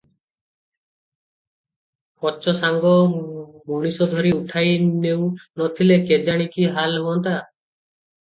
ପଛ ସାଙ୍ଗ ମଣିଷ ଧରି ଉଠାଇ ନେଉ ନ ଥିଲେ କେଜାଣି କି ହାଲ ହୁଅନ୍ତା!